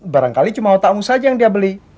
barangkali cuma otakmu saja yang dia beli